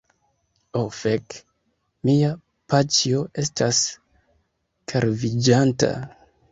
Ho fek', mia paĉjo estas kalviĝanta!